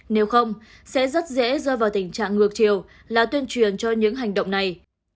nếu không sẽ rất dễ rơi vào tình trạng ngược chiều là tuyên truyền cho những hành động này